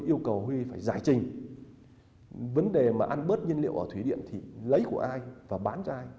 tôi yêu cầu kiều quốc huy phải giải trình vấn đề mà ăn bớt nhiên liệu ở thủy điện thì lấy của ai và bán cho ai